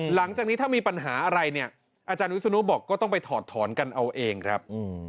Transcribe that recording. หลังจากนี้ถ้ามีปัญหาอะไรเนี่ยอาจารย์วิศนุบอกก็ต้องไปถอดถอนกันเอาเองครับ